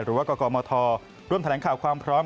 หรือว่ากกมร่วมแถลงข่าวความพร้อม